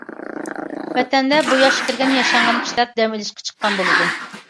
ۋەتەندە بۇ ياشقا كىرگەن ياشانغان كىشىلەر دەم ئېلىشقا چىققان بولىدۇ.